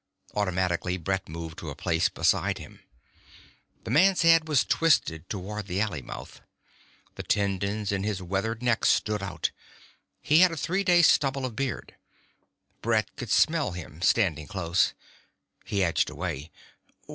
Automatically Brett moved to a place beside him. The man's head was twisted toward the alley mouth. The tendons in his weathered neck stood out. He had a three day stubble of beard. Brett could smell him, standing this close. He edged away.